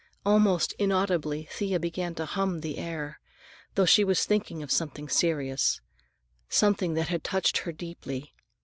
Almost inaudibly Thea began to hum the air, though she was thinking of something serious, something that had touched her deeply.